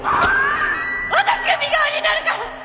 私が身代わりになるから